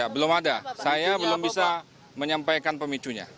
belum ada saya belum bisa menyampaikan pemicunya